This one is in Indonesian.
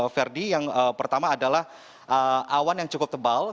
verdi yang pertama adalah awan yang cukup tebal